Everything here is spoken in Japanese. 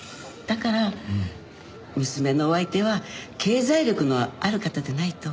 だから娘のお相手は経済力のある方でないと。